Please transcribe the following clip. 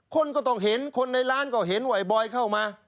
คนก็ต้องเห็นคนในร้านก็เห็นว่าไอบอยเข้ามา